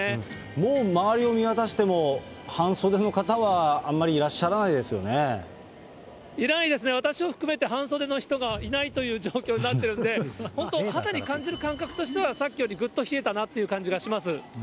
もう周りを見渡しても、半袖の方はあんまりいらっしゃらないいないですね、私を含めて半袖の人がいないという状況になっているんで、本当、肌に感じる感覚としては、さっきよりぐっと冷えたなっていう感じがします。